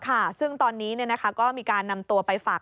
ค่ะซึ่งตอนนี้ก็มีการนำตัวไปฝาก